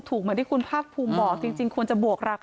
แต่มันทำให้คนอื่นไหนก็ลูกน้องเราอีก